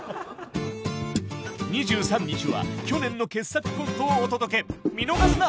２３日は去年の傑作コントをお届け見逃すな！